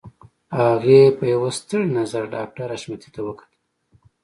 هغې په يوه ستړي نظر ډاکټر حشمتي ته وکتل.